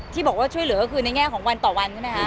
ที่บอกว่าช่วยเหลือก็คือในแง่ของวันต่อวันใช่ไหมคะ